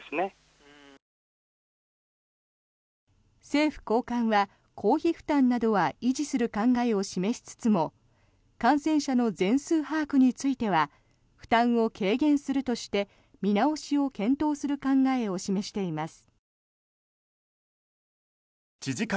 政府高官は公費負担などは維持する考えを示しつつも感染者の全数把握については負担を軽減するとして見直しを検討する考えを示しています。